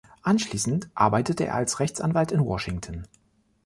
Anschließend arbeitete er als Rechtsanwalt in Washington.